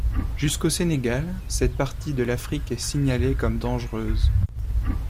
Jusqu’au Sénégal, cette partie de l’Afrique est signalée comme dangereuse.